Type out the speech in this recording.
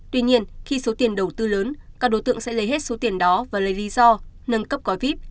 tuy nhiên khi số tiền đầu tư lớn các đối tượng sẽ lấy hết số tiền đó và lấy lý do nâng cấp gói vip